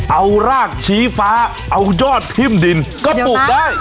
เอารากชี้ฟ้าเอายอดทิ่มดินก็ปลูกได้